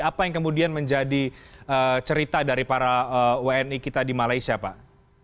apa yang kemudian menjadi cerita dari para wni kita di malaysia pak